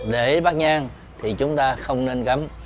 để bắt nhan thì chúng ta không nên cắm